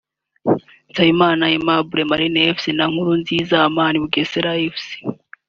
Nsabimana Aimable (Marines Fc) na Niyonkuru Aman (Bugesera Fc)